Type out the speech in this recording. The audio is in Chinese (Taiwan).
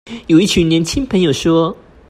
有一群年輕朋友說